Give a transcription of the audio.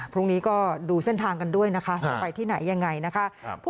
พรุ่งนี้ก็ดูเส้นทางกันด้วยนะคะจะไปที่ไหนยังไงนะคะ